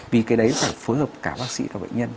vì cái đấy phải phối hợp cả bác sĩ và bệnh nhân